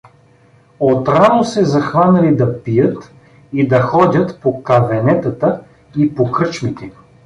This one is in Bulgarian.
От рано са захванали да пият и да ходят по кавенетата и по кръчмите!